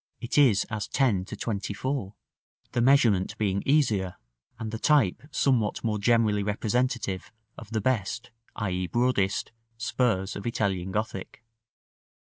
it is as 10 to 24, the measurement being easier and the type somewhat more generally representative of the best, i.e. broadest, spurs of Italian Gothic.